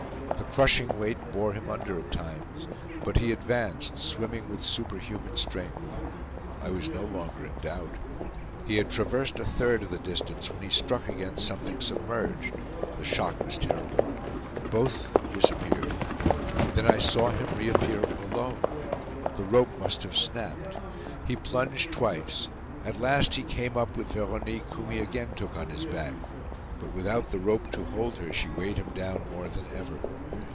The crushing weight bore him under at times. But he advanced, swimming with superhuman strength. I was no longer in doubt. He had traversed a third of the distance when he struck against something submerged. The shock was terrible. Both disappeared. Then I saw him reappear alone. The rope must have snapped. He plunged twice. At last, he came up with Veronique, whom he again took on his back. But without the rope to hold her, she weighed him down more than ever.